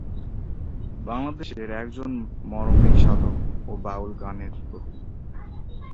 বাংলাদেশের একজন মরমী সাধক ও বাউল গানের কবি।